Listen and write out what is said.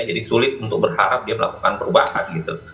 jadi sulit untuk berharap dia melakukan perubahan gitu